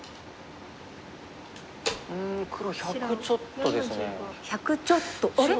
１００ちょっとあれ？